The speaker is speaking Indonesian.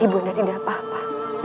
ibu undang tidak apa apa